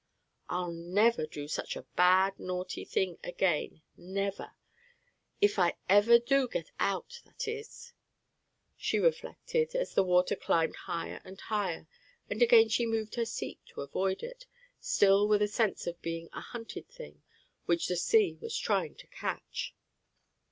I'll never do such a bad, naughty thing again, never, if I ever do get out, that is " she reflected, as the water climbed higher and higher, and again she moved her seat to avoid it, still with the sense of being a hunted thing which the sea was trying to catch.